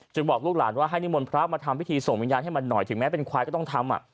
บอกลูกหลานว่าให้นิมนต์พระมาทำพิธีส่งวิญญาณให้มันหน่อยถึงแม้เป็นควายก็ต้องทำ